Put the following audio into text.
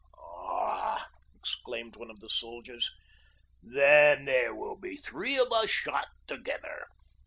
"Ah!" exclaimed one of the soldiers. "Then there will be three of us shot together."